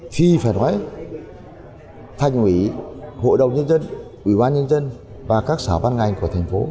phi phải nói thành ủy hội đồng nhân dân ủy ban nhân dân và các xã văn ngành của thành phố